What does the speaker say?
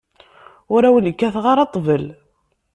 Ur wen-kkateɣ ara ṭṭbel.